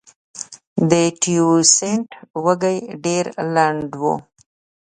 د تیوسینټ وږی ډېر لنډ و.